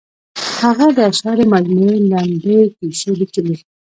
هغه د اشعارو مجموعې، لنډې کیسې لیکلي.